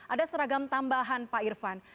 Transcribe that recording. ada seragam tambahan pak irfan